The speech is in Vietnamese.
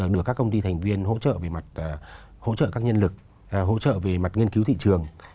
được các công ty thành viên hỗ trợ về mặt hỗ trợ các nhân lực hỗ trợ về mặt nghiên cứu thị trường